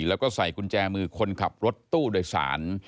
แล้วก็ใส่กุญแจมือคนขับรถตู้โดยสาร